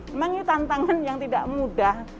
memang ini tantangan yang tidak mudah